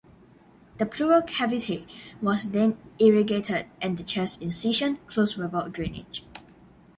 The pleural cavity was then irrigated and the chest incision closed without drainage.